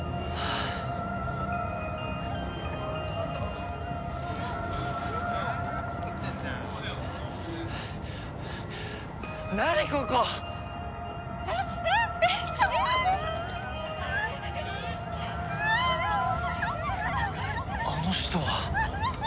あの人は。